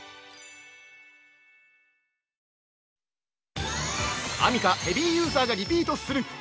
◆アミカヘビーユーザーがリピートする！